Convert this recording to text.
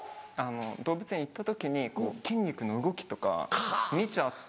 動物園行った時に筋肉の動きとか見ちゃって。